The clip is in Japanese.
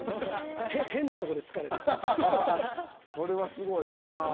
変なとこで疲れて。